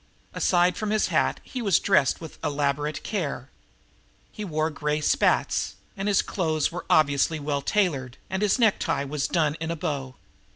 Aside from his hat he was dressed with elaborate care. He wore gray spats, and his clothes were obviously well tailored, and his necktie was done in a bow.